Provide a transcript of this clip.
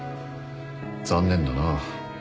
残念だな。